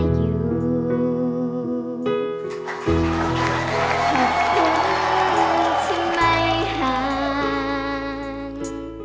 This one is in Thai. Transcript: ขอบคุณที่ไม่ห่าง